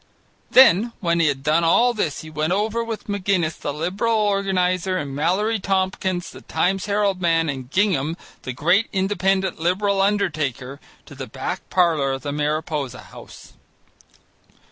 Then when he had done all this he went over with McGinnis the Liberal organizer and Mallory Tompkins, the Times Herald man, and Gingham (the great Independent Liberal undertaker) to the back parlour in the Mariposa House.